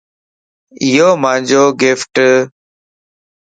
ايو مانجو گفٽ